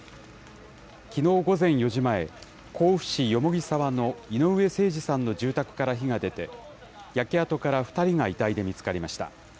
きのう午前４時前、甲府市蓬沢の井上盛司さんの住宅から火が出て、焼け跡から２人が遺体で見つかりました。